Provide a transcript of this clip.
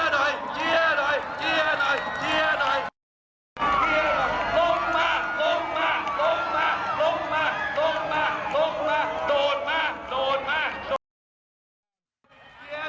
ลงมา